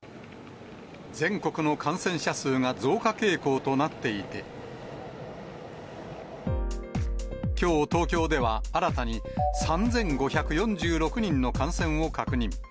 全国の感染者数が増加傾向となっていて、きょう、東京では新たに３５４６人の感染を確認。